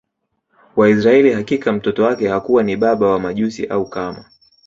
wa Israili Hakika mtoto wake hakuwa ni baba wa Majusi au kama